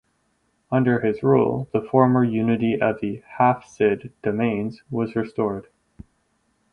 Under his rule the former unity of the Hafsid domains was restored.